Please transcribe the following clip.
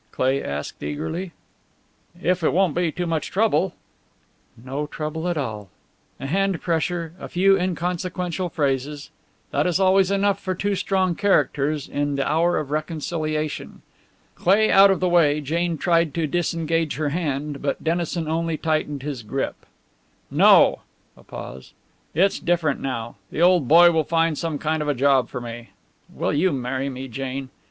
Cleigh asked, eagerly. "If it won't be too much trouble." "No trouble at all." A hand pressure, a few inconsequent phrases, that is always enough for two strong characters in the hour of reconciliation. Cleigh out of the way, Jane tried to disengage her hand, but Dennison only tightened his grip. "No" a pause "it's different now. The old boy will find some kind of a job for me. Will you marry me, Jane?